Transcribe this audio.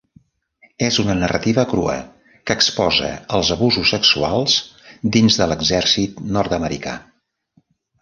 És una narrativa crua que exposa els abusos sexuals dins de l'Exèrcit nord-americà.